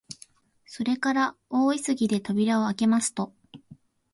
それから大急ぎで扉をあけますと、